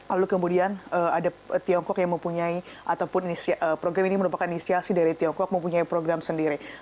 lalu kemudian ada tiongkok yang mempunyai ataupun program ini merupakan inisiasi dari tiongkok mempunyai program sendiri